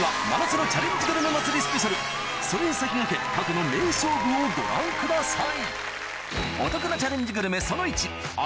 それに先駆け過去の名勝負をご覧ください